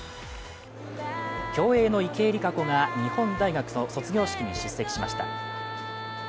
競泳の池江璃花子が日本大学の卒業式に出席しました。